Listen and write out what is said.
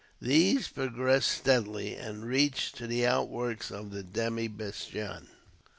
These progressed steadily, and reached to the outworks of the demi bastion.